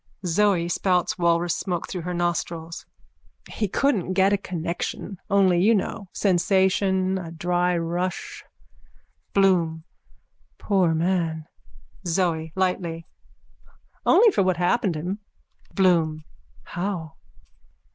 ZOE: (Spouts walrus smoke through her nostrils.) He couldn't get a connection. Only, you know, sensation. A dry rush. BLOOM: Poor man! ZOE: (Lightly.) Only for what happened him. BLOOM: How?